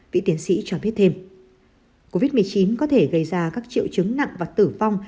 vị tiến sĩ cho biết thêm covid một mươi chín có thể gây ra các triệu chứng nặng và tử vong